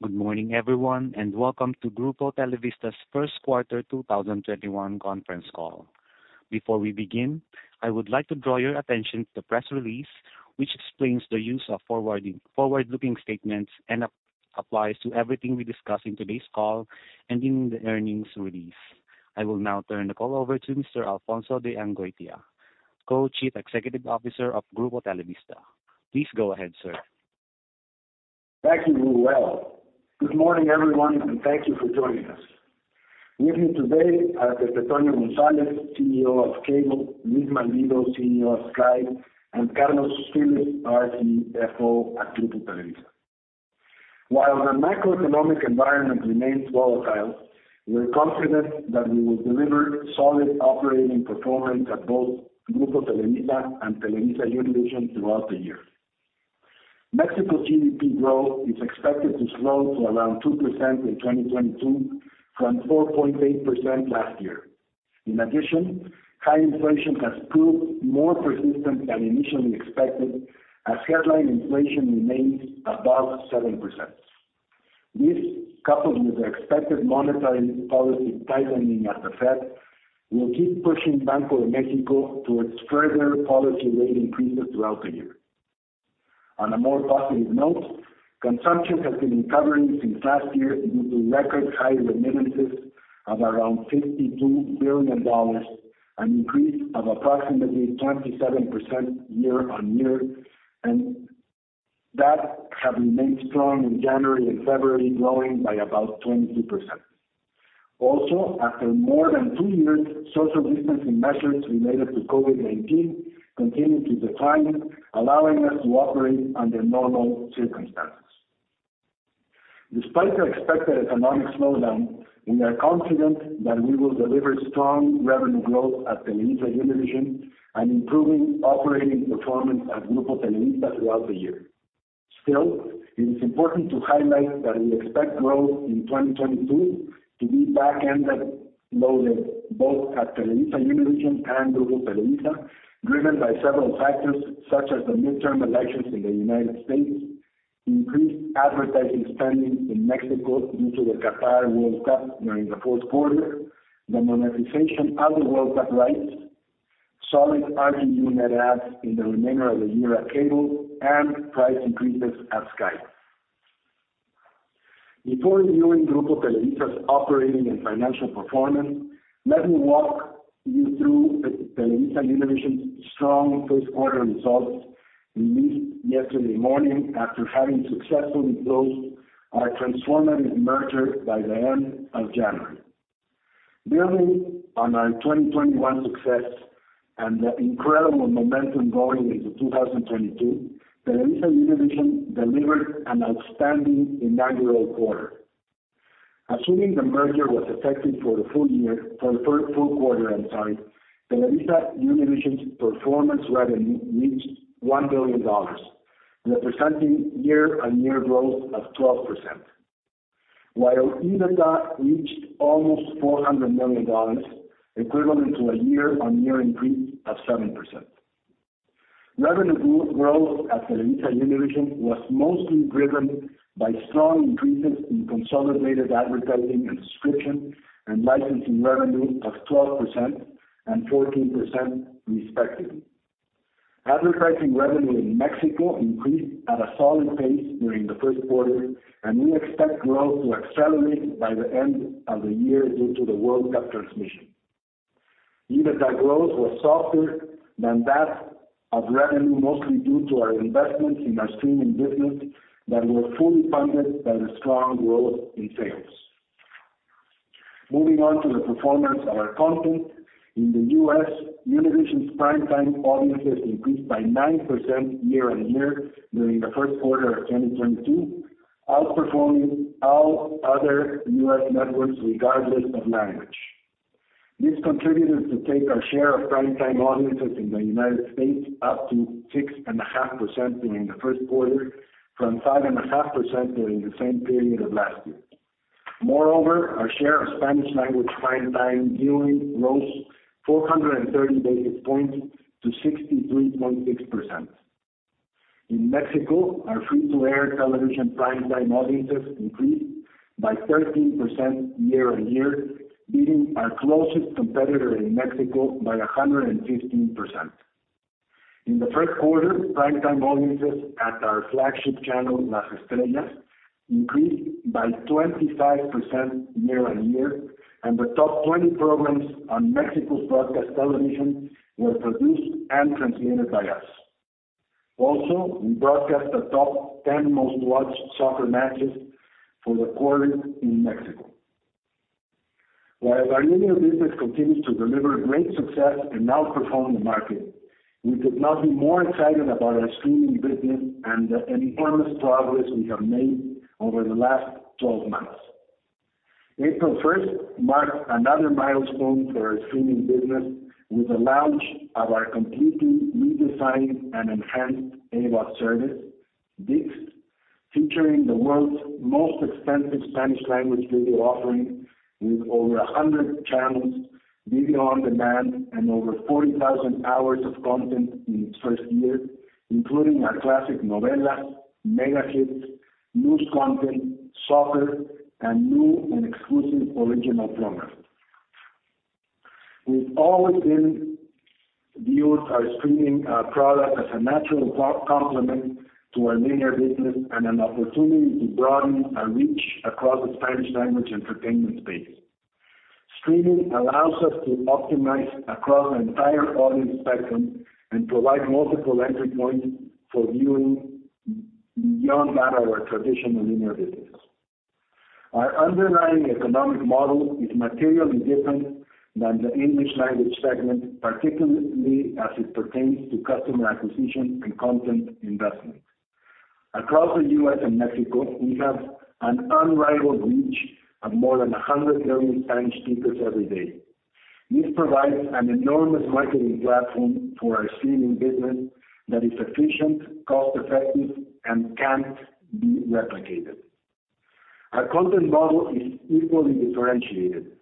Good morning everyone and welcome to Grupo Televisa's first quarter 2021 conference call. Before we begin, I would like to draw your attention to the press release, which explains the use of forward-looking statements and applies to everything we discuss in today's call and in the earnings release. I will now turn the call over to Mr. Alfonso de Angoitia, Co-Chief Executive Officer of Grupo Televisa. Please go ahead, sir. Thank you, Noel. Good morning everyone, and thank you for joining us. With me today are Pepe Antonio Gonzalez, CEO of Cable, Luis Malvido, CEO of Sky, and Carlos Phillips, our CFO at Grupo Televisa. While the macroeconomic environment remains volatile, we are confident that we will deliver solid operating performance at both Grupo Televisa and TelevisaUnivision throughout the year. Mexico GDP growth is expected to slow to around 2% in 2022 from 4.8% last year. In addition, high inflation has proved more persistent than initially expected as headline inflation remains above 7%. This, coupled with the expected monetary policy tightening at the Fed, will keep pushing Bank of Mexico towards further policy rate increases throughout the year. On a more positive note, consumption has been recovering since last year due to record high remittances of around $52 billion, an increase of approximately 27% year-on-year, and that have remained strong in January and February, growing by about [20]%. Also, after more than two years, social distancing measures related to COVID-19 continue to decline, allowing us to operate under normal circumstances. Despite the expected economic slowdown, we are confident that we will deliver strong revenue growth at TelevisaUnivision and improving operating performance at Grupo Televisa throughout the year. Still, it is important to highlight that we expect growth in 2022 to be backend-loaded both at TelevisaUnivision and Grupo Televisa, driven by several factors such as the midterm elections in the United States, increased advertising spending in Mexico due to the Qatar World Cup during the fourth quarter, the monetization of the World Cup rights, solid RGU adds in the remainder of the year at Cable, and price increases at Sky. Before reviewing Grupo Televisa's operating and financial performance, let me walk you through the TelevisaUnivision's strong first quarter results released yesterday morning after having successfully closed our transformative merger by the end of January. Building on our 2021 success and the incredible momentum going into 2022, TelevisaUnivision delivered an outstanding inaugural quarter. Assuming the merger was effective for the third full quarter, I'm sorry, TelevisaUnivision's performance revenue reached $1 billion, representing year-on-year growth of 12%, while EBITDA reached almost $400 million, equivalent to a year-on-year increase of 7%. Revenue growth at TelevisaUnivision was mostly driven by strong increases in consolidated advertising and subscription and licensing revenue of 12% and 14% respectively. Advertising revenue in Mexico increased at a solid pace during the first quarter, and we expect growth to accelerate by the end of the year due to the World Cup transmission. EBITDA growth was softer than that of revenue, mostly due to our investments in our streaming business that were fully funded by the strong growth in sales. Moving on to the performance of our content. In the U.S., Univision's primetime audiences increased by 9% year-on-year during the first quarter of 2022, outperforming all other U.S. networks, regardless of language. This contributed to take our share of primetime audiences in the United States up to 6.5% during the first quarter from 5.5% during the same period of last year. Moreover, our share of Spanish language primetime viewing rose 430 basis points to 63.6%. In Mexico, our free-to-air television primetime audiences increased by 13% year-on-year, beating our closest competitor in Mexico by 115%. In the first quarter, primetime audiences at our flagship channel, Las Estrellas, increased by 25% year-on-year, and the top 20 programs on Mexico's broadcast television were produced and transmitted by us. Also, we broadcast the top 10 most watched soccer matches for the quarter in Mexico. While our linear business continues to deliver great success and outperform the market, we could not be more excited about our streaming business and the enormous progress we have made over the last 12 months. April 1 marked another milestone for our streaming business with the launch of our completely redesigned and enhanced AVOD service, ViX, featuring the world's most extensive Spanish language video offering with over 100 channels, video-on-demand, and over 40,000 hours of content in its first year, including our classic novelas, mega hits, news content, soccer, and new and exclusive original programs. We've always viewed our streaming product as a natural complement to our linear business and an opportunity to broaden our reach across the Spanish language entertainment space. Streaming allows us to optimize across the entire audience spectrum and provide multiple entry points for viewing beyond that of our traditional linear business. Our underlying economic model is materially different than the English language segment, particularly as it pertains to customer acquisition and content investment. Across the U.S. and Mexico, we have an unrivaled reach of more than 100 million Spanish speakers every day. This provides an enormous marketing platform for our streaming business that is efficient, cost-effective, and can't be replicated. Our content model is equally differentiated.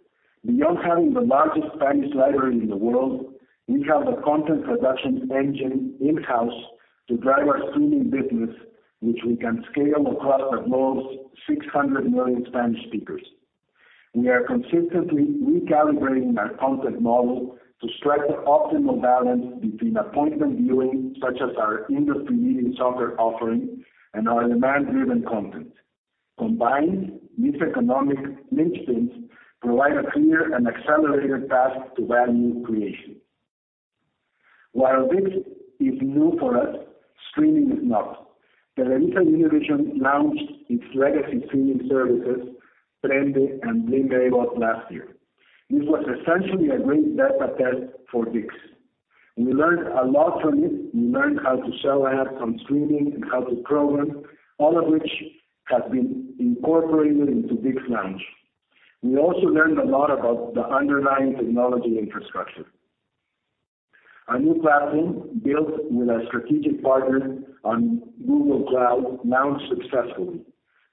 Beyond having the largest Spanish library in the world, we have a content production engine in-house to drive our streaming business, which we can scale across the globe's 600 million Spanish speakers. We are consistently recalibrating our content model to strike the optimal balance between appointment viewing, such as our industry-leading soccer offering and our demand-driven content. Combined, these economic linchpins provide a clear and accelerated path to value creation. While this is new for us, streaming is not. TelevisaUnivision launched its legacy streaming services, Prende and [Blim Cable], last year. This was essentially a great beta test for ViX. We learned a lot from it. We learned how to sell ads on streaming and how to program, all of which has been incorporated into ViX launch. We also learned a lot about the underlying technology infrastructure. Our new platform, built with a strategic partner on Google Cloud, launched successfully.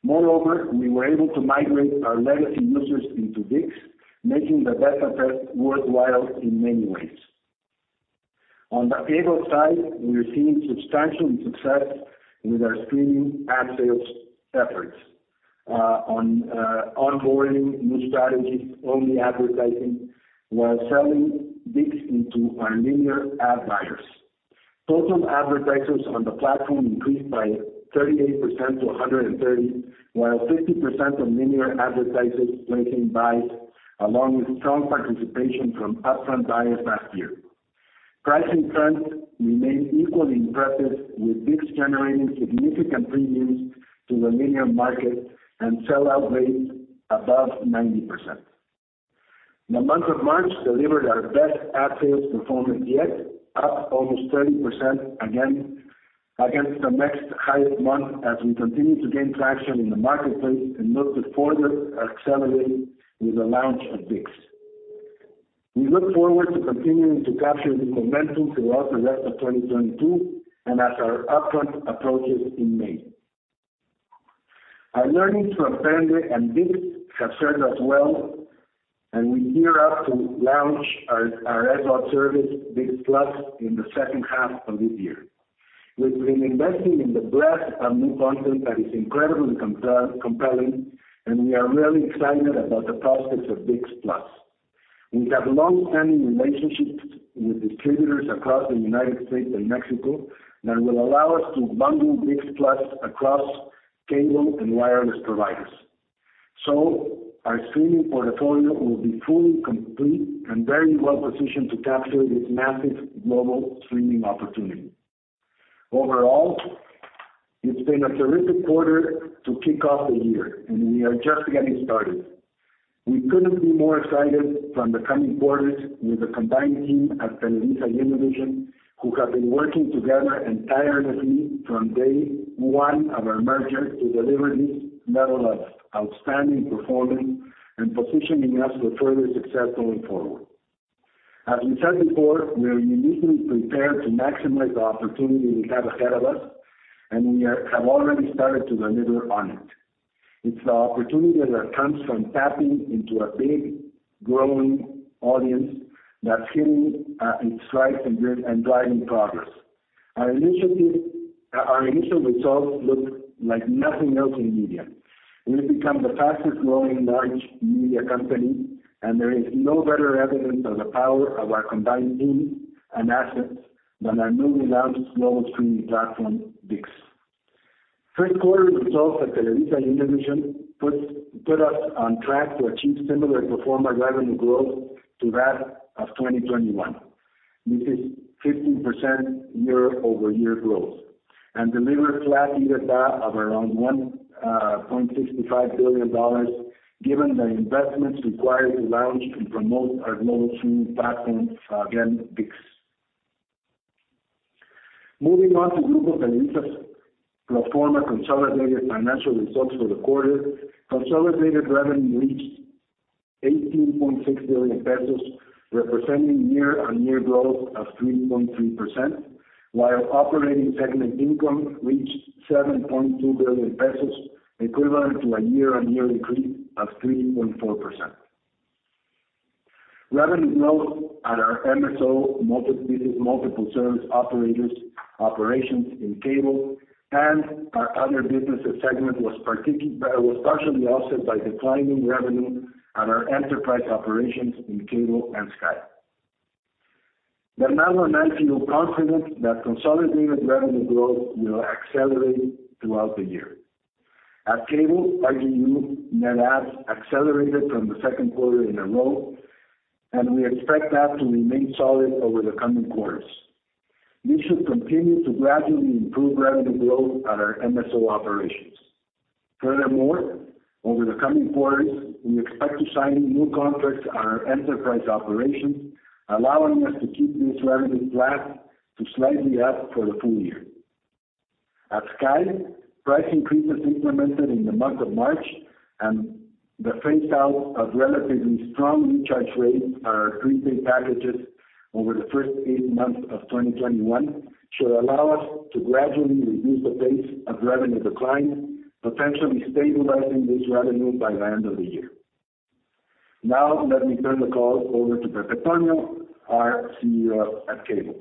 Moreover, we were able to migrate our legacy users into ViX, making the beta test worthwhile in many ways. On the Cable side, we are seeing substantial success with our streaming ad sales efforts, on onboarding new strategies, only advertising while selling ViX into our linear ad buyers. Total advertisers on the platform increased by 38% to 130, while 50% of linear advertisers placing buys, along with strong participation from upfront buyers last year. Pricing trends remain equally impressive with ViX generating significant premiums to the linear market and sellout rates above 90%. The month of March delivered our best ad sales performance yet, up almost 30% against the next highest month as we continue to gain traction in the marketplace and look to further accelerate with the launch of ViX. We look forward to continuing to capture this momentum throughout the rest of 2022 and as our upfront approaches in May. Our learnings from Prende and ViX have served us well, and we gear up to launch our ad service, ViX+, in the second half of this year. We've been investing in the breadth of new content that is incredibly compelling, and we are really excited about the prospects of ViX+. We have long-standing relationships with distributors across the United States and Mexico that will allow us to bundle ViX+ across cable and wireless providers. Our streaming portfolio will be fully complete and very well positioned to capture this massive global streaming opportunity. Overall, it's been a terrific quarter to kick off the year, and we are just getting started. We couldn't be more excited for the coming quarters with the combined team at TelevisaUnivision, who have been working together and tirelessly from day one of our merger to deliver this level of outstanding performance and positioning us for further success going forward. As we said before, we are uniquely prepared to maximize the opportunity we have ahead of us, and we have already started to deliver on it. It's the opportunity that comes from tapping into a big, growing audience that's hitting in stride and driving progress. Our initiative— our initial results look like nothing else in media. We've become the fastest growing large media company, and there is no better evidence of the power of our combined team and assets than our newly launched global streaming platform, ViX. Third quarter results at TelevisaUnivision put us on track to achieve similar performance revenue growth to that of 2021. This is 15% year-over-year growth and deliver flat EBITDA of around $1.65 billion given the investments required to launch and promote our global streaming platform, again, ViX. Moving on to Grupo Televisa's pro forma consolidated financial results for the quarter. Consolidated revenue reached 18.6 billion pesos, representing year-on-year growth of 3.3%, while operating segment income reached 7.2 billion pesos, equivalent to a year-on-year increase of 3.4%. Revenue growth at our MSO, multiple service operators operations in Cable and our other businesses segment was partially offset by declining revenue at our enterprise operations in Cable and Sky. Now we're making you confident that consolidated revenue growth will accelerate throughout the year. At Cable, RGU net adds accelerated for the second quarter in a row, and we expect that to remain solid over the coming quarters. This should continue to gradually improve revenue growth at our MSO operations. Furthermore, over the coming quarters, we expect to sign new contracts on our enterprise operations, allowing us to keep this revenue flat to slightly up for the full year. At Sky, price increases implemented in the month of March and the phase out of relatively strong recharge rates in prepaid packages over the first eight months of 2021 should allow us to gradually reduce the pace of revenue decline, potentially stabilizing this revenue by the end of the year. Now let me turn the call over to Pepe Antonio, our CEO at Cable.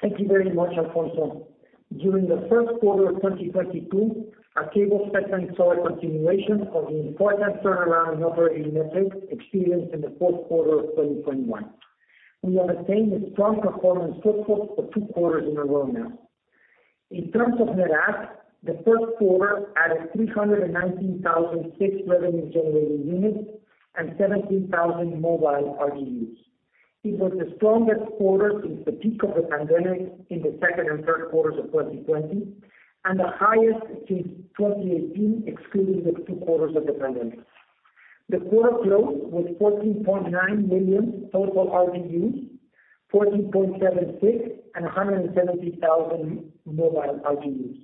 Thank you very much, Alfonso. During the first quarter of 2022, our Cable segment saw a continuation of the important turnaround operating metrics experienced in the fourth quarter of 2021. We have attained a strong performance so far for two quarters in a row now. In terms of net adds, the first quarter added 319,006 revenue-generating units and 17,000 mobile RGUs. It was the strongest quarter since the peak of the pandemic in the second and third quarters of 2020, and the highest since 2018, excluding the two quarters of the pandemic. The quarter close was 14.9 million total RGUs, 14.76, and 170,000 mobile RGUs.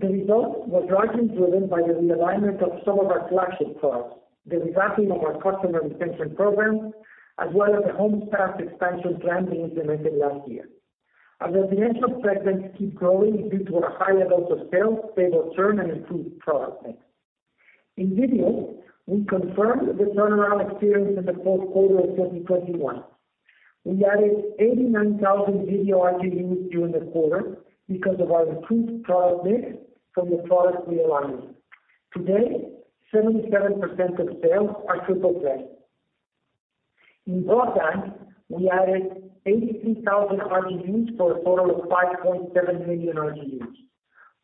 The result was largely driven by the realignment of some of our flagship products, the revamping of our customer retention program, as well as the home staff expansion plan being implemented last year. Our residential segments keep growing due to our high levels of sales, stable churn, and improved product mix. In video, we confirmed the turnaround experience in the fourth quarter of 2021. We added 89,000 video RGUs during the quarter because of our improved product mix from the product realignment. Today, 77% of sales are triple play. In broadband, we added 83,000 RGUs for a total of 5.7 million RGUs.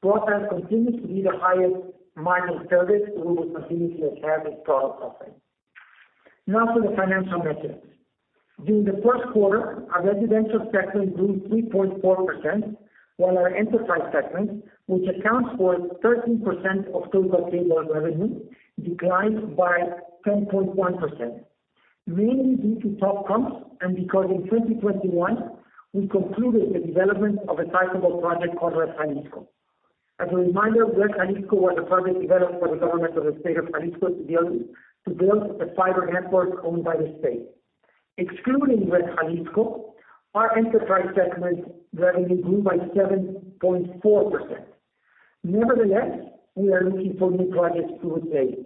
Broadband continues to be the highest margin service we will continue to have in product offering. Now to the financial metrics. During the first quarter, our residential segment grew 3.4%, while our enterprise segment, which accounts for 13% of total Cable revenue, declined by 10.1%, mainly due to top comps and because in 2021 we concluded the development of a titled project called Red Jalisco. As a reminder, Red Jalisco was a project developed by the government of the state of Jalisco to build a fiber network owned by the state. Excluding Red Jalisco, our enterprise segment revenue grew by 7.4%. Nevertheless, we are looking for new projects to replace.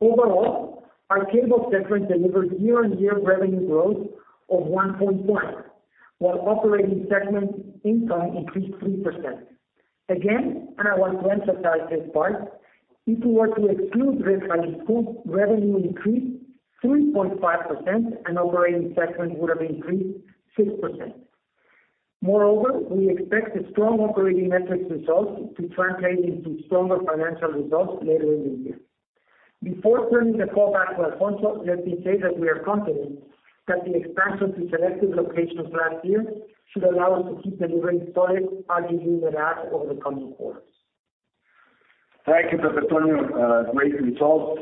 Overall, our Cable segment delivered year-on-year revenue growth of 1.1%, while operating segment income increased 3%. Again, I want to emphasize this part, if we were to exclude Red Jalisco, revenue increased 3.5% and operating segment would have increased 6%. Moreover, we expect a strong operating metrics results to translate into stronger financial results later in the year. Before turning the call back to Alfonso, let me say that we are confident that the expansion to selected locations last year should allow us to keep delivering solid RGU net adds over the coming quarters. Thank you, Pepe Antonio. Great results.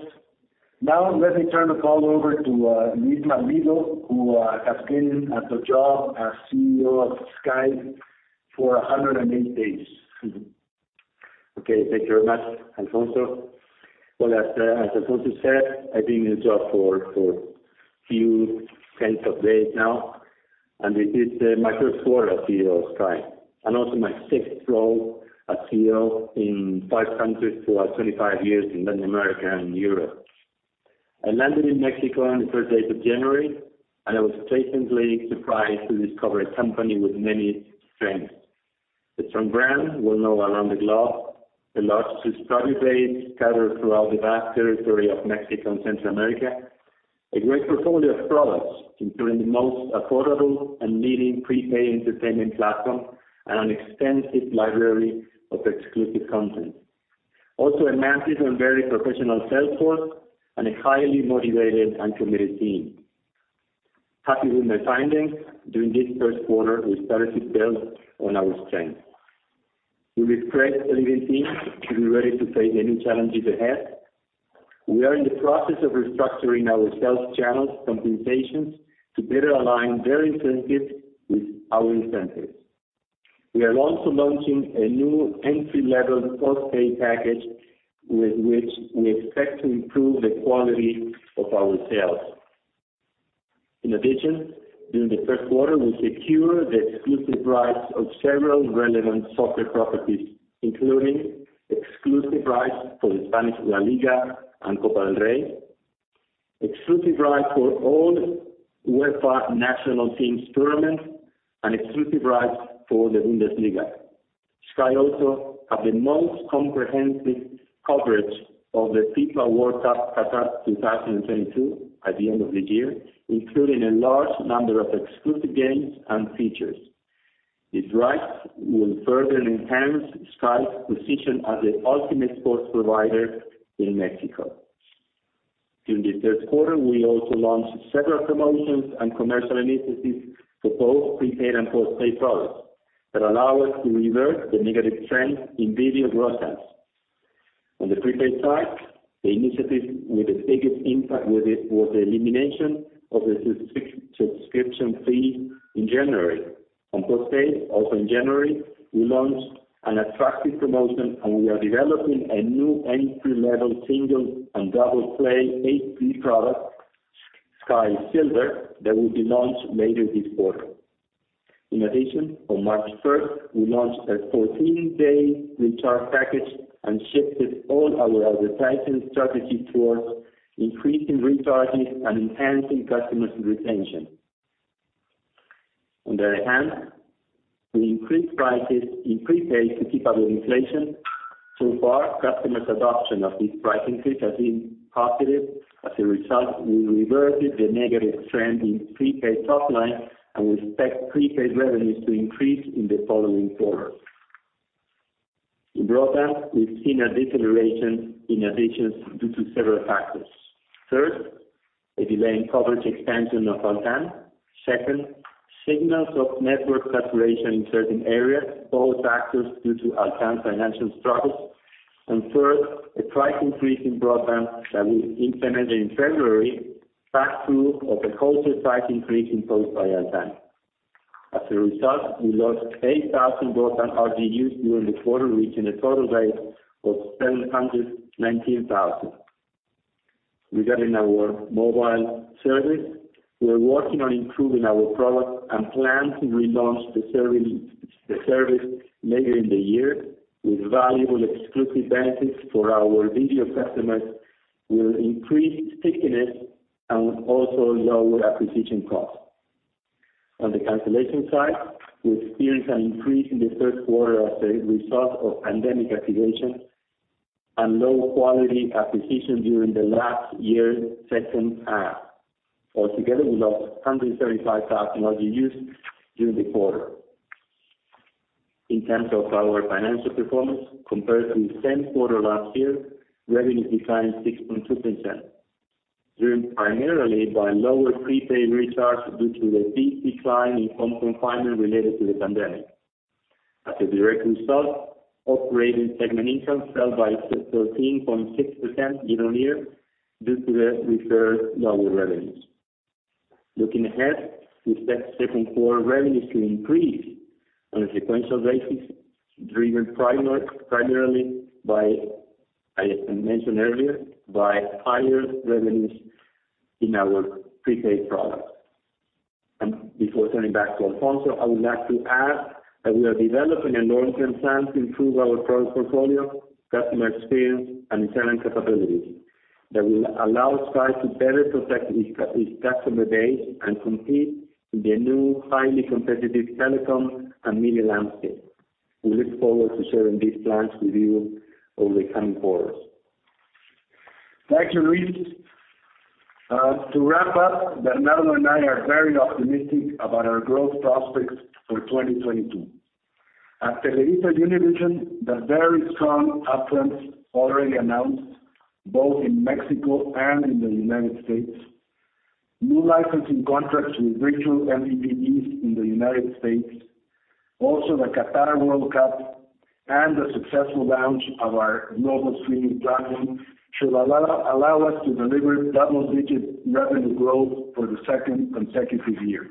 Now let me turn the call over to Luis Malvido, who has been at the job as CEO of Sky for 108 days. Thank you very much, Alfonso. Well, as Alfonso said, I've been in the job for a few tens of days now, and it is my first quarter as CEO of Sky, and also my sixth role as CEO in five countries throughout 25 years in Latin America and Europe. I landed in Mexico on the 3rd day of January, and I was pleasantly surprised to discover a company with many strengths. A strong brand well-known around the globe, a large subscriber base scattered throughout the vast territory of Mexico and Central America, a great portfolio of products, including the most affordable and leading prepaid entertainment platform and an extensive library of exclusive content. Also, a massive and very professional sales force and a highly motivated and committed team. Happy with my findings, during this first quarter, we started to build on our strength. We refreshed the leadership team to be ready to face any challenges ahead. We are in the process of restructuring our sales channels compensations to better align their incentives with our incentives. We are also launching a new entry-level postpaid package with which we expect to improve the quality of our sales. In addition, during the third quarter, we secured the exclusive rights to several relevant sports properties, including exclusive rights for the Spanish LaLiga and Copa del Rey, exclusive rights for all UEFA national teams tournaments, and exclusive rights for the Bundesliga. Sky also have the most comprehensive coverage of the FIFA World Cup Qatar 2022 at the end of the year, including a large number of exclusive games and features. These rights will further enhance Sky's position as the ultimate sports provider in Mexico. During the third quarter, we also launched several promotions and commercial initiatives for both prepaid and postpaid products that allow us to reverse the negative trend in video growth rates. On the prepaid side, the initiative with the biggest impact which was the elimination of the subscription fee in January. On postpaid, also in January, we launched an attractive promotion, and we are developing a new entry level single and double play HVC product, Sky Silver, that will be launched later this quarter. In addition, on March 1st, we launched a 14-day recharge package and shifted all our advertising strategy towards increasing recharges and enhancing customer retention. On the other hand, we increased prices in prepaid to keep up with inflation. So far, customers' adoption of this price increase has been positive. As a result, we reverted the negative trend in prepaid top line and we expect prepaid revenues to increase in the following quarters. In broadband, we've seen a deceleration in additions due to several factors. First, a delay in coverage expansion of Altán. Second, signals of network saturation in certain areas, both factors due to Altán's financial struggles. Third, a price increase in broadband that we implemented in February, pass-through of a wholesale price increase imposed by Altán. As a result, we lost 8,000 broadband RGUs during the quarter, reaching a total base of 719,000. Regarding our mobile service, we are working on improving our product and plan to relaunch the service later in the year with valuable exclusive benefits for our video customers will increase stickiness and also lower acquisition costs. On the cancellation side, we experienced an increase in the third quarter as a result of pandemic [attrition] and low quality acquisition during the last year's second half. Altogether, we lost 135,000 RGUs during the quarter. In terms of our financial performance, compared to the same quarter last year, revenues declined 6.2%, driven primarily by lower prepaid recharge due to the steep decline in home confinement related to the pandemic. As a direct result, operating segment income fell by 13.6% year-on-year due to the referred lower revenues. Looking ahead, we expect second quarter revenues to increase on a sequential basis, driven primarily by, as I mentioned earlier, by higher revenues in our prepaid products. Before turning back to Alfonso, I would like to add that we are developing a long-term plan to improve our product portfolio, customer experience, and selling capabilities that will allow Sky to better protect its customer base and compete in the new highly competitive telecom and media landscape. We look forward to sharing these plans with you over the coming quarters. Thank you, Luis. To wrap up, Bernardo and I are very optimistic about our growth prospects for 2022. At TelevisaUnivision, the very strong uptrend already announced both in Mexico and in the United States, new licensing contracts with virtual MVPDs in the United States, also the Qatar World Cup, and the successful launch of our global streaming platform should allow us to deliver double-digit revenue growth for the second consecutive year.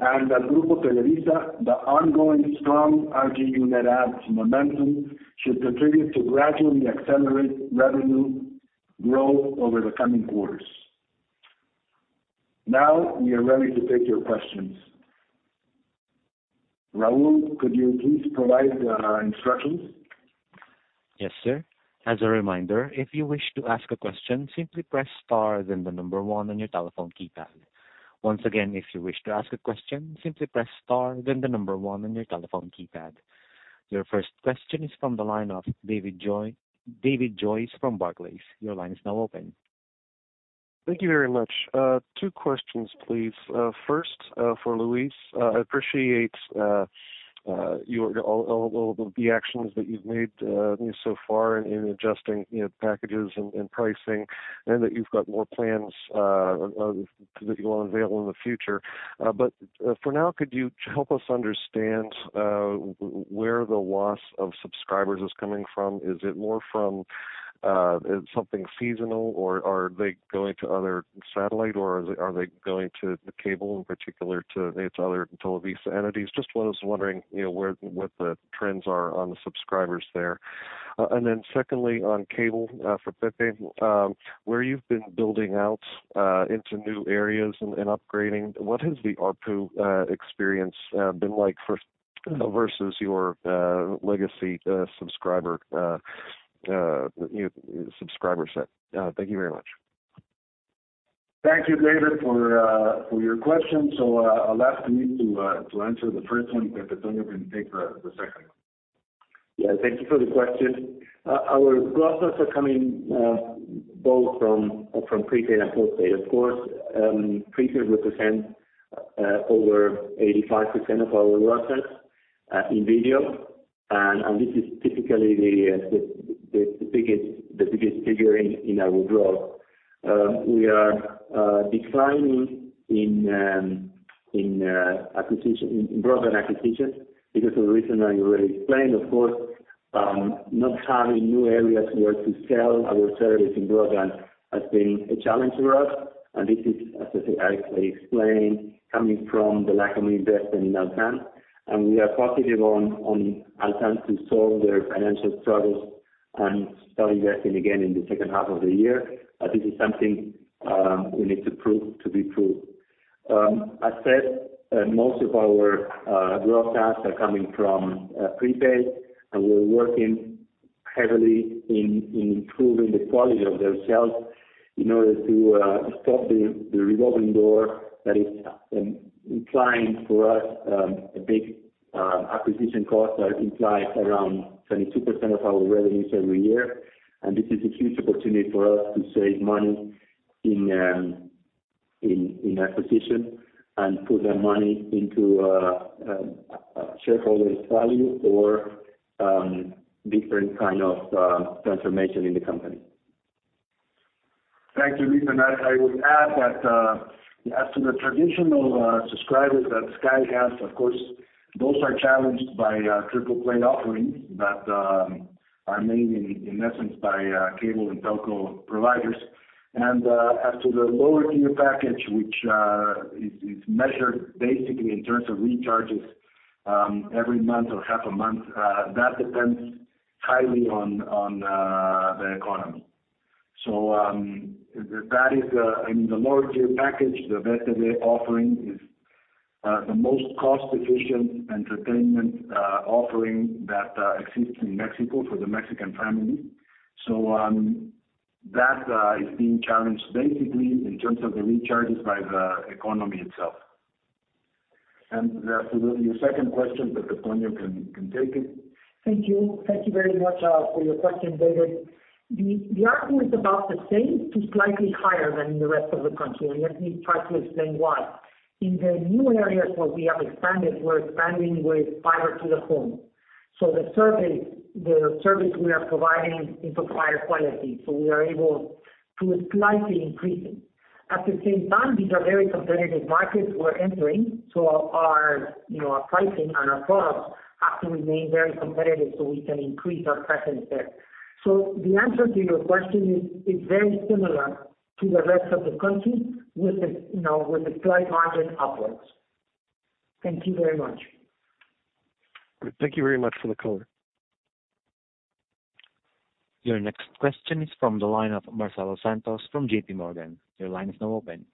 At Grupo Televisa, the ongoing strong RGU net adds momentum should contribute to gradually accelerate revenue growth over the coming quarters. Now, we are ready to take your questions. Raul, could you please provide instructions? Yes, sir. As a reminder, if you wish to ask a question, simply press star then the number one on your telephone keypad. Once again, if you wish to ask a question, simply press star then the number one on your telephone keypad. Your first question is from the line of David Joyce from Barclays. Your line is now open. Thank you very much. Two questions, please. First, for Luis. I appreciate your all the actions that you've made so far in adjusting, you know, packages and pricing and that you've got more plans that you will unveil in the future. For now, could you help us understand where the loss of subscribers is coming from? Is it more from something seasonal, or are they going to other satellite, or are they going to the cable, in particular to other Televisa entities? Just was wondering, you know, where, what the trends are on the subscribers there. Secondly on Cable, for Pepe, where you've been building out into new areas and upgrading, what has the ARPU experience been like for versus your legacy subscriber set? Thank you very much. Thank you, David, for your question. I'll ask Luis to answer the first one, and Pepe Antonio can take the second. Yeah, thank you for the question. Our progress is coming both from prepaid and postpaid. Of course, prepaid represents over 85% of our progress in video. This is typically the biggest figure in our growth. We are declining in broadband acquisitions because of the reason I already explained. Of course, not having new areas where to sell our service in broadband has been a challenge for us. This is, as I explained, coming from the lack of investment in Altán. We are positive on Altán to solve their financial struggles and start investing again in the second half of the year. This is something we need to prove to be true. As said, most of our growth paths are coming from prepaid, and we're working heavily in improving the quality of their sales in order to stop the revolving door that is implying for us a big acquisition cost that implies around 22% of our revenues every year. This is a huge opportunity for us to save money in acquisition and put that money into shareholder's value or different kind of transformation in the company. Thank you, Luis. I would add that as to the traditional subscribers that Sky has, of course, those are challenged by triple play offerings that are made in essence by cable and telco providers. As to the lower tier package, which is measured basically in terms of recharges every month or half a month, that depends highly on the economy. That is in the lower tier package, the [Vesta] they're offering is the most cost efficient entertainment offering that exists in Mexico for the Mexican family. That is being challenged basically in terms of the recharges by the economy itself. As to your second question, Pepe Antonio can take it. Thank you. Thank you very much for your question, David. The ARPU is about the same to slightly higher than the rest of the country. Let me try to explain why. In the new areas where we have expanded, we're expanding with fiber to the home. The service we are providing is of higher quality, so we are able to slightly increase it. At the same time, these are very competitive markets we're entering, so our, you know, our pricing and our products have to remain very competitive so we can increase our presence there. The answer to your question is very similar to the rest of the country with the, you know, with a slight margin upwards. Thank you very much. Thank you very much for the color. Your next question is from the line of Marcelo Santos from JPMorgan. Your line is now open.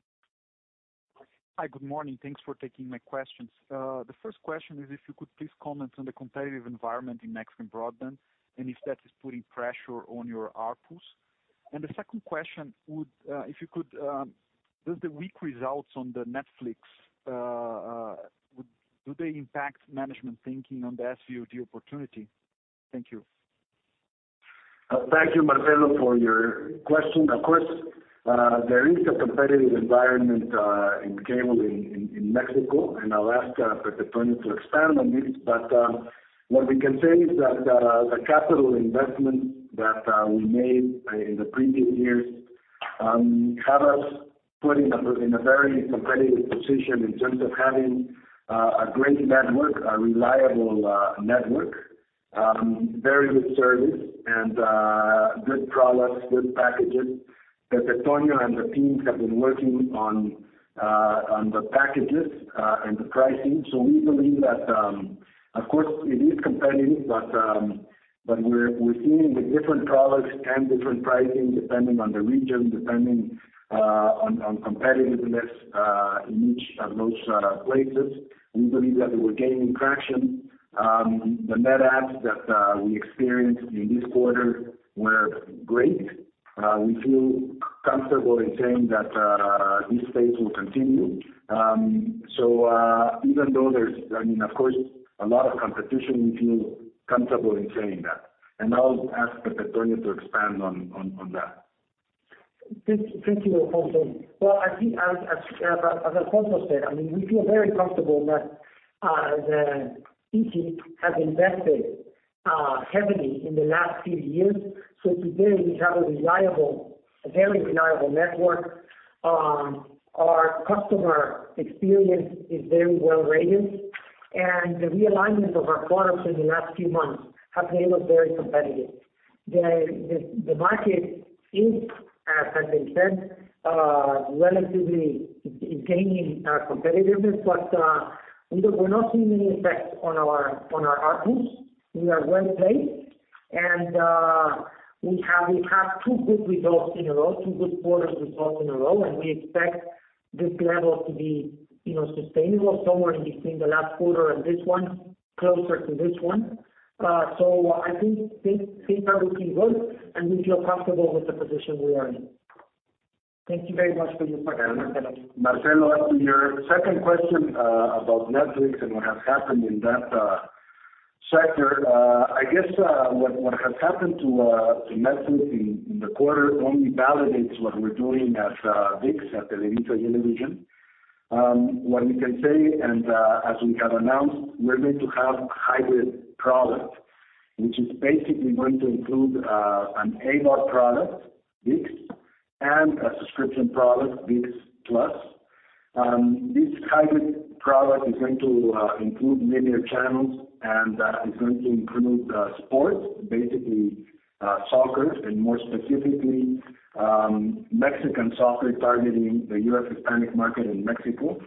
Hi. Good morning. Thanks for taking my questions. The first question is if you could please comment on the competitive environment in Mexican broadband and if that is putting pressure on your ARPUs. The second question would, if you could, does the weak results on Netflix impact management thinking on the SVOD opportunity? Thank you. Thank you, Marcelo, for your question. Of course, there is a competitive environment in Cable in Mexico, and I'll ask Pepe Antonio to expand on this. What we can say is that the capital investment that we made in the previous years have us put in a very competitive position in terms of having a great network, a reliable network, very good service and good products, good packages, that Pepe Toño and the teams have been working on the packages and the pricing. We believe that of course it is competitive, but we're seeing the different products and different pricing depending on the region, depending on competitiveness in each of those places. We believe that we're gaining traction. The net adds that we experienced in this quarter were great. We feel comfortable in saying that this phase will continue. Even though there's, I mean, of course a lot of competition, we feel comfortable in saying that. I'll ask Pepe Antonio to expand on that. Thank you, Alfonso. Well, I think as Alfonso said, I mean, we feel very comfortable that izzi has invested heavily in the last few years. Today we have a very reliable network. Our customer experience is very well rated, and the realignment of our products in the last few months have made us very competitive. The market, as has been said, relatively gaining competitiveness. We're not seeing any effect on our ARPUs. We are well-placed and we've had two good quarters results in a row, and we expect this level to be, you know, sustainable somewhere in between the last quarter and this one, closer to this one. I think things are looking good, and we feel comfortable with the position we are in. Thank you very much for your time. Marcelo, about your second question, about Netflix and what has happened in that sector, I guess, what has happened to Netflix in the quarter only validates what we're doing at ViX, at TelevisaUnivision. What we can say and, as we have announced, we're going to have hybrid product, which is basically going to include an AVOD product, ViX, and a subscription product, ViX+. This hybrid product is going to include linear channels and sports, basically, soccer and more specifically, Mexican soccer targeting the U.S. Hispanic market in Mexico.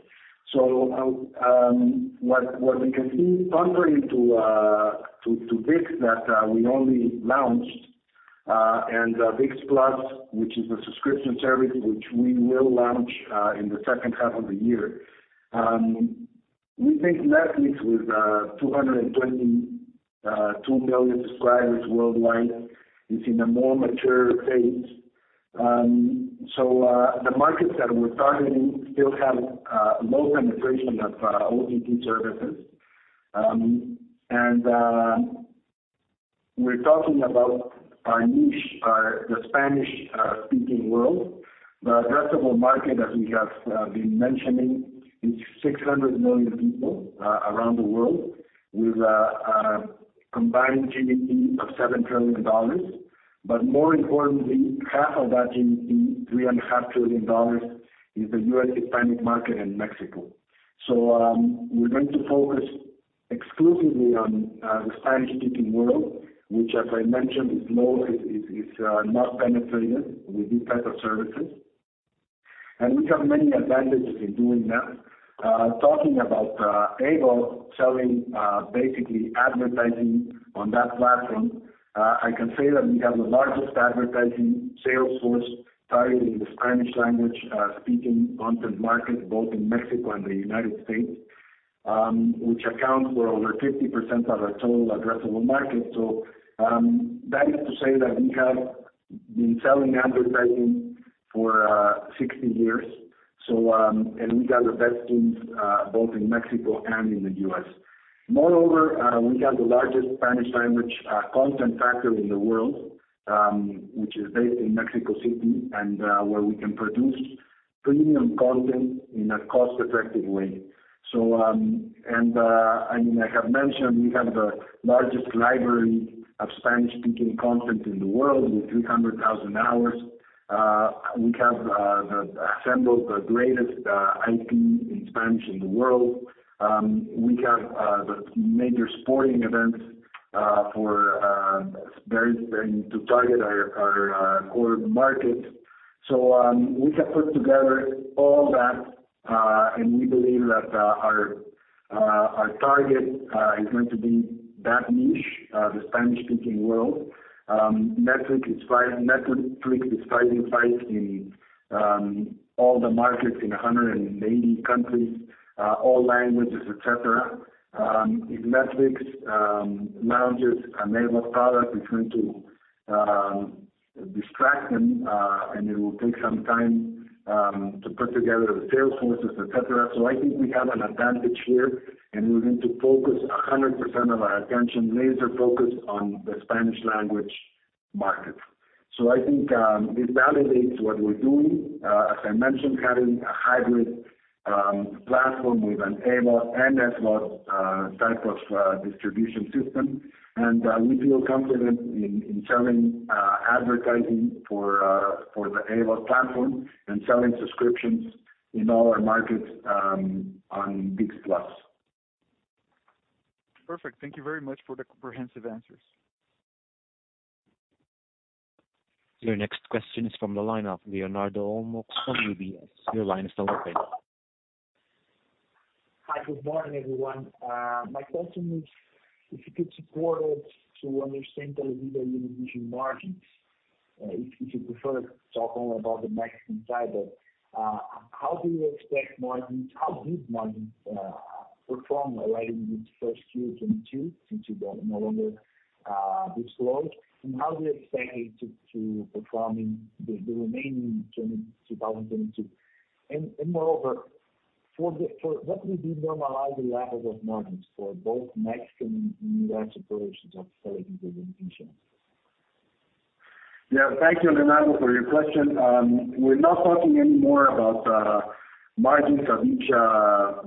What we can see contrary to ViX that we only launched and ViX+, which is a subscription service, which we will launch in the second half of the year. We think Netflix with 222 million subscribers worldwide is in a more mature phase. The markets that we're targeting still have low penetration of OTT services. We're talking about our niche, the Spanish-speaking world. The addressable market, as we have been mentioning, is 600 million people around the world with a combined GDP of $7 trillion. But more importantly, half of that GDP, $3.5 trillion, is the U.S. Hispanic market in Mexico. We're going to focus exclusively on the Spanish-speaking world, which as I mentioned, is low, it's not penetrated with these type of services. We have many advantages in doing that. Talking about AVOD, selling basically advertising on that platform, I can say that we have the largest advertising sales force targeting the Spanish language-speaking content market, both in Mexico and the United States, which accounts for over 50% of our total addressable market. That is to say that we have been selling advertising for 60 years. We got the best teams both in Mexico and in the U.S. Moreover, we have the largest Spanish language content factor in the world, which is based in Mexico City where we can produce premium content in a cost-effective way. I mean, I have mentioned we have the largest library of Spanish-speaking content in the world with 300,000 hours. We have assembled the greatest IP in Spanish in the world. We have the major sporting events for everything to target our core markets. We have put together all that, and we believe that our target is going to be that niche, the Spanish-speaking world. Netflix is fighting in all the markets in 180 countries, all languages, et cetera. If Netflix launches an AVOD product, it's going to distract them, and it will take some time to put together the sales forces, et cetera. I think we have an advantage here, and we're going to focus 100% of our attention, laser focus on the Spanish language market. I think this validates what we're doing, as I mentioned, having a hybrid platform with an AVOD and SVOD type of distribution system. We feel confident in selling advertising for the AVOD platform and selling subscriptions in all our markets on ViX+. Perfect. Thank you very much for the comprehensive answers. Your next question is from the line of Leonardo Olmos from UBS. Your line is now open. Hi, good morning, everyone. My question is if you could support us to understand TelevisaUnivision margins, if you prefer to talk only about the Mexican side. How did margins perform right in this first quarter 2022 since you no longer disclose? How do you expect it to perform in the remaining 2022? Moreover, what will be normalized levels of margins for both Mexican and U.S. operations of TelevisaUnivision? Yeah. Thank you, Leonardo, for your question. We're not talking any more about margins of each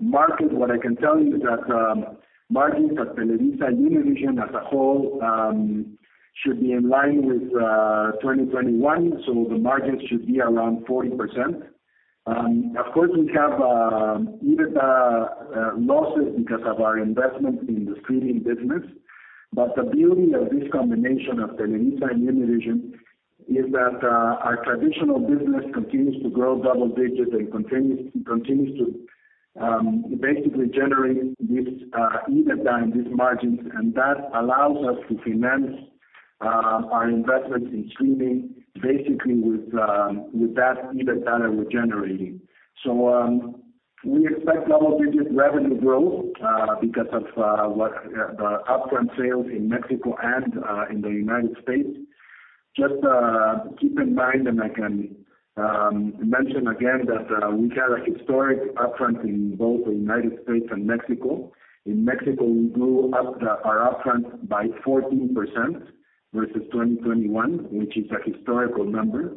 market. What I can tell you is that margins at TelevisaUnivision as a whole should be in line with 2021. The margins should be around 40%. Of course, we have EBITDA losses because of our investment in the streaming business. The beauty of this combination of Televisa and Univision is that our traditional business continues to grow double digits and continues to basically generate this EBITDA and these margins, and that allows us to finance our investments in streaming basically with that EBITDA that we're generating. We expect double-digit revenue growth because of the upfront sales in Mexico and in the United States. Just keep in mind, and I can mention again that we had a historic upfront in both the United States and Mexico. In Mexico, we grew our upfront by 14% versus 2021, which is a historical number.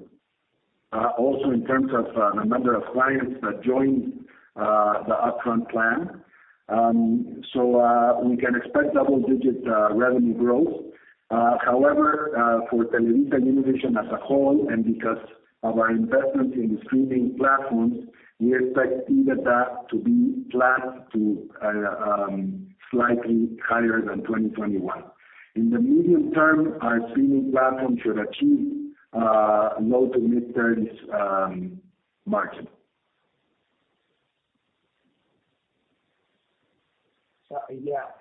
Also in terms of the number of clients that joined the upfront plan. We can expect double-digit revenue growth. However, for TelevisaUnivision as a whole, and because of our investments in the streaming platforms, we expect EBITDA to be flat to slightly higher than 2021. In the medium term, our streaming platform should achieve low- to mid-30s margin.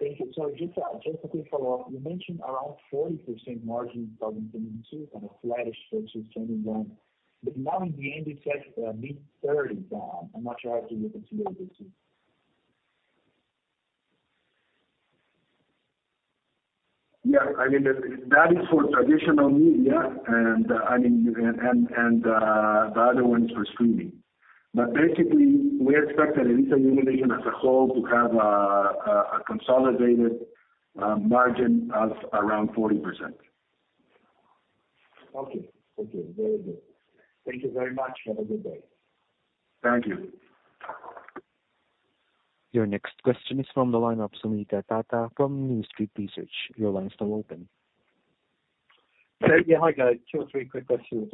Thank you. Just a quick follow-up. You mentioned around 40% margin in 2022, kind of flattish versus 2021. Now in the end, you said mid-30s. I'm not sure how to look at [TelevisaUnivision]. Yeah. I mean, that is for traditional media and I mean, the other one's for streaming. Basically, we expect TelevisaUnivision as a whole to have a consolidated margin of around 40%. Okay. Thank you. Very good. Thank you very much. Have a good day. Thank you. Your next question is from the line of Soomit Datta from New Street Research. Your line's still open. Yeah. Hi, guys. Two or three quick questions.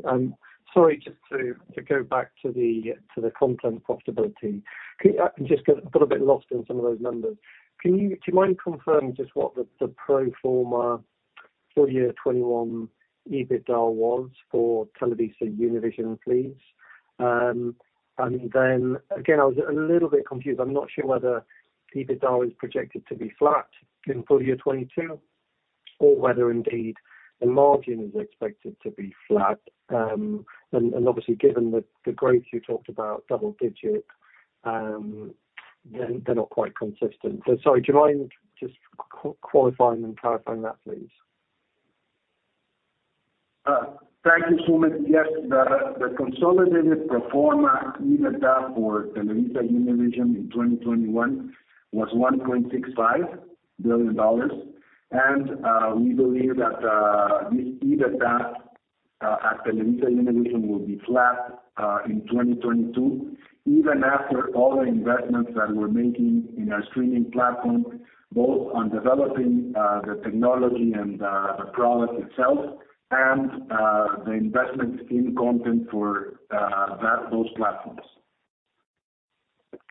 Sorry, just to go back to the content profitability. I just got a bit lost in some of those numbers. Do you mind confirming just what the pro forma full year 2021 EBITDA was for TelevisaUnivision, please? And then again, I was a little bit confused. I'm not sure whether EBITDA is projected to be flat in full year 2022 or whether indeed the margin is expected to be flat. And obviously given the growth you talked about double digit, they're not quite consistent. Sorry, do you mind just qualifying and clarifying that please? Thank you, Soomit. Yes. The consolidated pro forma EBITDA for TelevisaUnivision in 2021 was $1.65 billion. We believe that this EBITDA at TelevisaUnivision will be flat in 2022, even after all the investments that we're making in our streaming platform, both on developing the technology and the product itself and the investments in content for those platforms.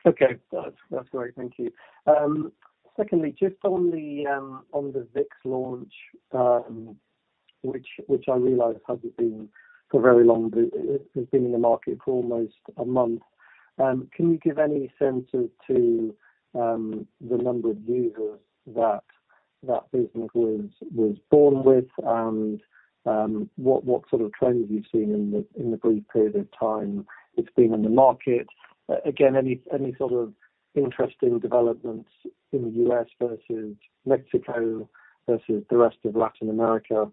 Okay. That's great. Thank you. Secondly, just on the ViX launch, which I realize hasn't been for very long. It has been in the market for almost a month. Can you give any sense as to the number of users that that business was born with and what sort of trends you've seen in the brief period of time it's been on the market? Again, any sort of interesting developments in the U.S. versus Mexico versus the rest of Latin America,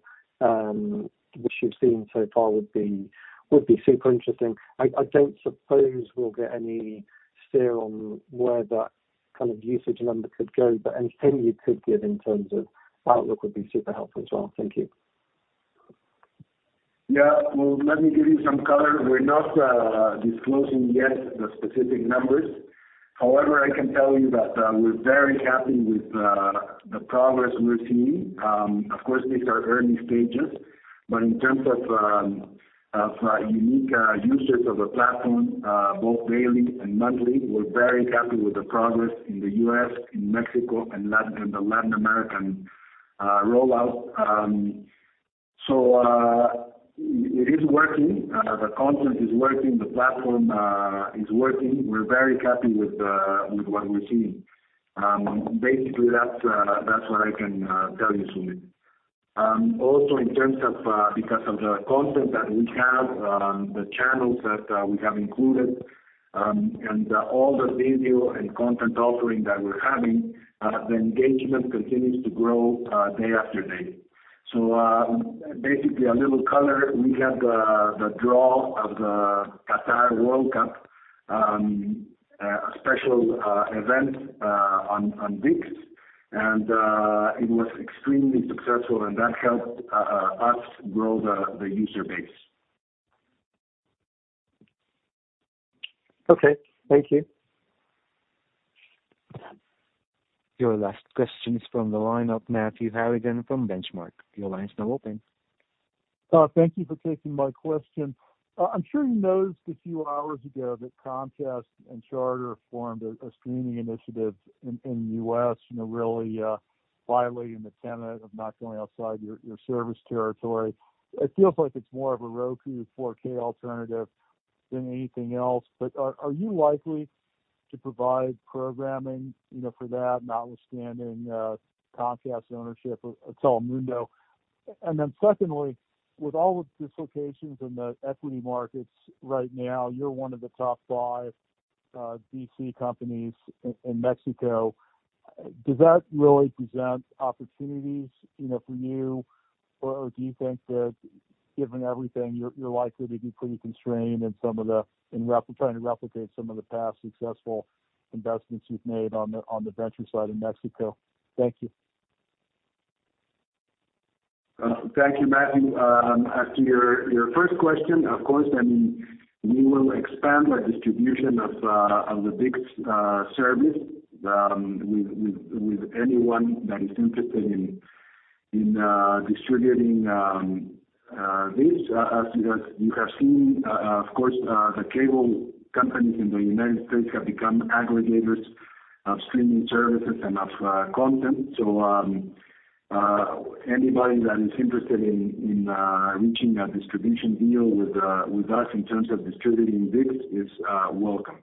which you've seen so far would be super interesting. I don't suppose we'll get any steer on where that kind of usage number could go, but anything you could give in terms of outlook would be super helpful as well. Thank you. Yeah. Well, let me give you some color. We're not disclosing yet the specific numbers. However, I can tell you that we're very happy with the progress we're seeing. Of course, these are early stages, but in terms of unique users of the platform, both daily and monthly, we're very happy with the progress in the U.S., in Mexico, and the Latin American rollout. So, it is working. The content is working. The platform is working. We're very happy with what we're seeing. Basically that's what I can tell you, Soomit. Also in terms of because of the content that we have, the channels that we have included, and all the video and content offering that we're having, the engagement continues to grow day-after-day. Basically a little color. We had the draw of the Qatar World Cup, a special event on ViX, and it was extremely successful, and that helped us grow the user base. Okay. Thank you. Your last question is from the line of Matthew Harrigan from Benchmark. Your line is now open. Thank you for taking my question. I'm sure you noticed a few hours ago that Comcast and Charter formed a streaming initiative in the U.S., you know, really violating the tenet of not going outside your service territory. It feels like it's more of a Roku 4K alternative than anything else. Are you likely to provide programming, you know, for that notwithstanding Comcast ownership of Telemundo? Secondly, with all the dislocations in the equity markets right now, you're one of the top five VC companies in Mexico. Does that really present opportunities, you know, for you? Do you think that given everything, you're likely to be pretty constrained in some of the— in trying to replicate some of the past successful investments you've made on the venture side in Mexico? Thank you. Thank you, Matthew. As to your first question, of course, I mean, we will expand the distribution of the ViX service with anyone that is interested in distributing this. As you have seen, of course, the cable companies in the United States have become aggregators of streaming services and of content. Anybody that is interested in reaching a distribution deal with us in terms of distributing ViX is welcome.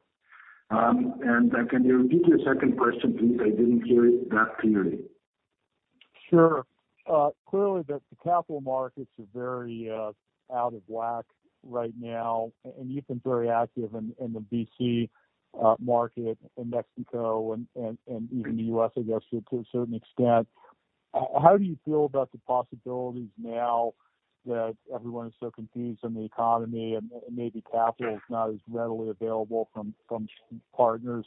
Can you repeat your second question, please? I didn't hear it that clearly. Sure. Clearly the capital markets are very out of whack right now, and you've been very active in the VC market in Mexico and even the U.S. I guess to a certain extent. How do you feel about the possibilities now that everyone is so confused on the economy and maybe [capital] is not as readily available from partners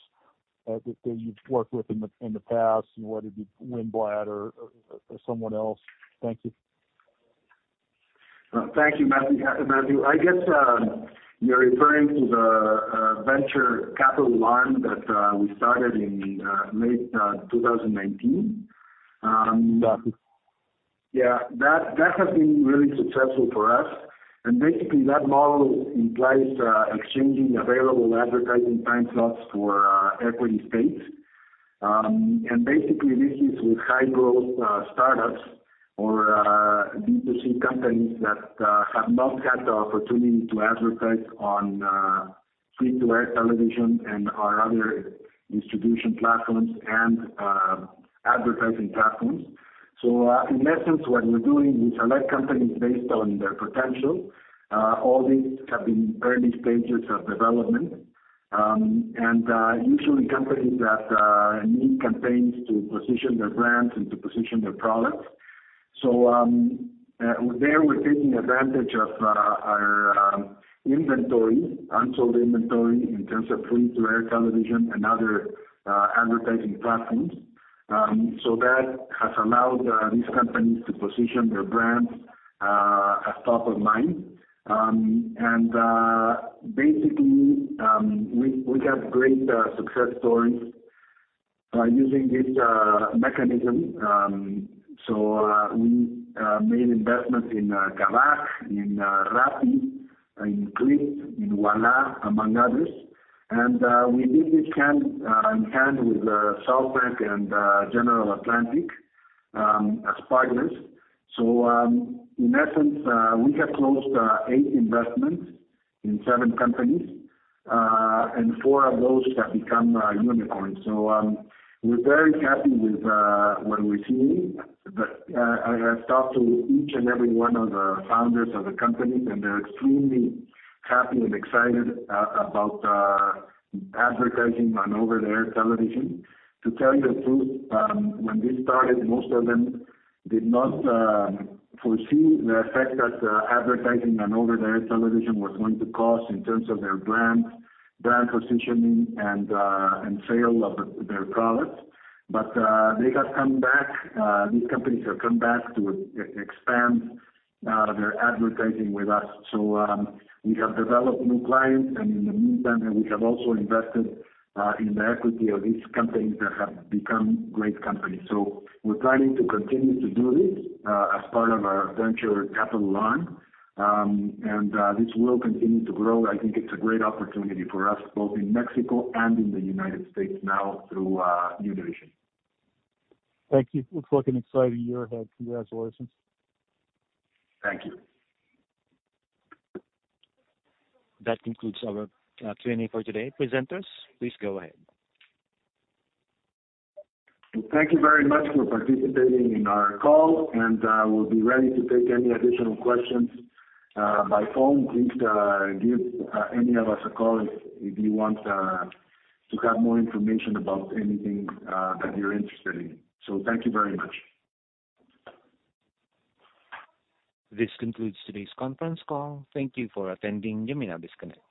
that you've worked with in the past, whether it be Winblad or someone else? Thank you. Thank you, Matthew. I guess, you're referring to the venture capital arm that we started in late 2019? Yeah, that has been really successful for us. Basically, that model implies exchanging available advertising time slots for equity stakes. Basically, this is with high growth startups or B2C companies that have not had the opportunity to advertise on free-to-air television and/or other distribution platforms and advertising platforms. In essence, what we're doing, we select companies based on their potential. All these have been early stages of development. Usually companies that need campaigns to position their brands and to position their products. There, we're taking advantage of our inventory, unsold inventory in terms of free-to-air television and other advertising platforms. That has allowed these companies to position their brands as top of mind. Basically, we have great success stories using this mechanism. We made investments in Kavak, in Rappi, in Clip, in Ualá, among others. We did this hand-in-hand with SoftBank and General Atlantic as partners. In essence, we have closed eight investments in seven companies, and four of those have become unicorns. We're very happy with what we're seeing. I have talked to each and every one of the founders of the companies, and they're extremely happy and excited about advertising on over-the-air television. To tell you the truth, when this started, most of them did not foresee the effect that advertising on over-the-air television was going to cause in terms of their brands, brand positioning and sale of their products. They have come back, these companies have come back to expand their advertising with us. We have developed new clients, and in the meantime, we have also invested in the equity of these companies that have become great companies. We're planning to continue to do this as part of our venture capital arm. This will continue to grow. I think it's a great opportunity for us both in Mexico and in the United States now through TelevisaUnivision. Thank you. Looks like an exciting year ahead. Congratulations. Thank you. That concludes our Q&A for today. Presenters, please go ahead. Thank you very much for participating in our call, and we'll be ready to take any additional questions by phone. Please give any of us a call if you want to have more information about anything that you're interested in. Thank you very much. This concludes today's conference call. Thank you for attending. You may now disconnect.